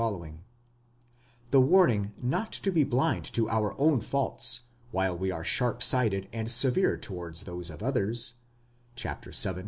_ The warning not to be blind to our own faults while we are sharp sighted and severe towards those of others (vii.